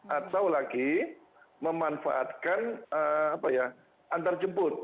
atau lagi memanfaatkan antarjemput